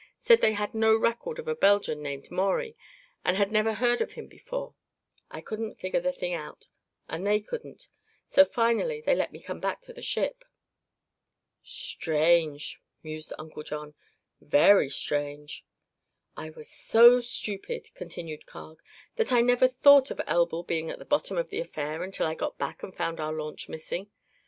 Said they had no record of a Belgian named Maurie and had never heard of him before. I couldn't figure the thing out, and they couldn't; so finally they let me come back to the ship." "Strange," mused Uncle John; "very strange!" "I was so stupid," continued Carg, "that I never thought of Elbl being at the bottom of the affair until I got back and found our launch missing.